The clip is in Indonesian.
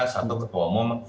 satu ketua umum